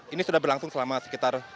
ini sudah berlangsung selama sekitar